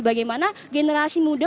bagaimana generasi muda